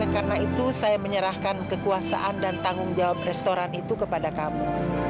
karena itu saya menyerahkan kekuasaan dan tanggung jawab restoran itu kepada kamu